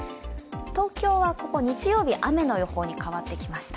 東京は日曜日、雨の予報に変わってきました。